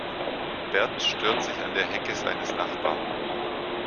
Bert stört sich an der Hecke seines Nachbarn.